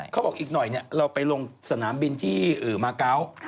เขาบอกอีกหน่อยเราไปลงสนามบินที่มาเกาะ